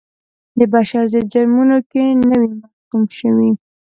د بشر ضد جرمونو کې نه وي محکوم شوي.